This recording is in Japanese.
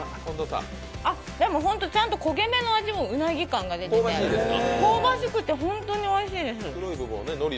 でもホント、ちゃんと焦げ目もうなぎ感が出ていて香ばしくて本当においしいです。